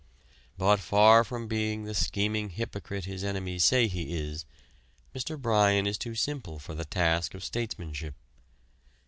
But far from being the scheming hypocrite his enemies say he is, Mr. Bryan is too simple for the task of statesmanship.